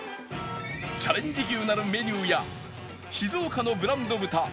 チャレンジ牛なるメニューや静岡のブランド豚萬幻